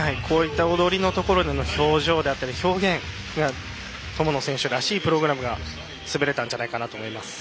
踊りのところでの表情だったり表現が友野選手らしいプログラムが滑れたんじゃないかと思います。